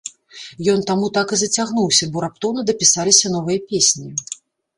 Ён таму так і зацягнуўся, бо раптоўна дапісаліся новыя песні.